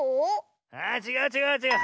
あちがうちがうちがう。